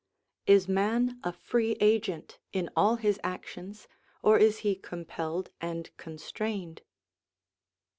Is man a free agent in all his actions, or is he compelled and constrained